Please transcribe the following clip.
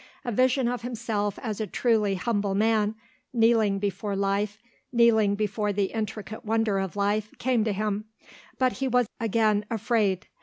A vision of himself as a truly humble man, kneeling before life, kneeling before the intricate wonder of life, came to him, but he was again afraid.